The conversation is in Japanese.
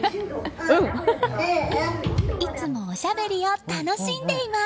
いつも、おしゃべりを楽しんでいます！